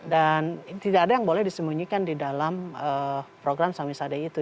tidak ada yang boleh disembunyikan di dalam program samisade itu